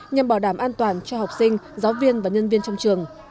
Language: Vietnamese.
nhằm bảo đảm an toàn cho học sinh giáo viên và nhân viên trong trường